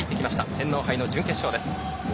天皇杯の準決勝。